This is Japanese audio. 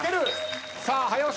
さあ早押し